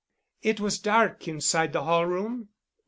"It was dark inside the hall room?"